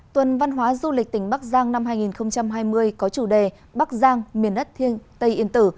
tuần văn hóa du lịch tỉnh bắc giang năm hai nghìn hai mươi có chủ đề bắc giang miền ất thiên tây yên tử